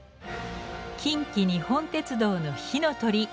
近畿日本鉄道の「ひのとり」。